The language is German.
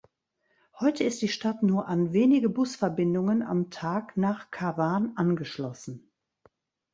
Heute ist die Stadt nur an wenige Busverbindungen am Tag nach Cavan angeschlossen.